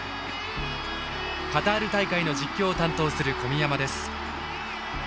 カタール大会の実況を担当する小宮山です。